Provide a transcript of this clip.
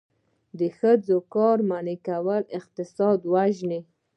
د ښځو کار منع کول اقتصاد وژني.